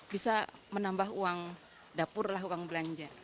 bisa menambah uang dapur lah uang belanja